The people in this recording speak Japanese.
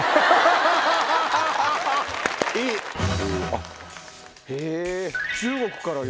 あっへぇ！